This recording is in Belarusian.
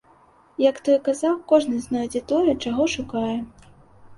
Як той казаў, кожны знойдзе тое, чаго шукае.